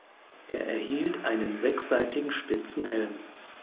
Er erhielt einen sechsseitigen spitzen Helm.